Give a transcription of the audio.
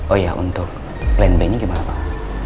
oh ya untuk plan b nya gimana pak